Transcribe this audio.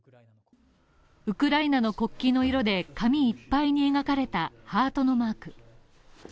ウクライナの国旗の色で紙いっぱいに描かれたハートのマーク。